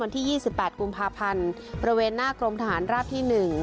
วันที่ยี่สิบแปดกุมภาพันธ์ประเวณหน้ากรมทหารราบที่หนึ่ง